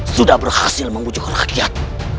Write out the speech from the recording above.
sudah berhasil membujuk rakyat